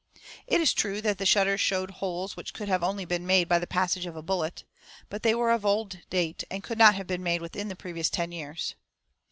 It is true that the shutters showed holes which could only have been made by the passage of a bullet; but they were of old date, and could not have been made within the previous ten years.